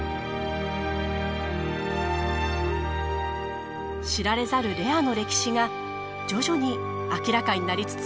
知られざるレアの歴史が徐々に明らかになりつつあります。